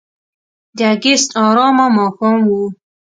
د اګست آرامه ماښام و.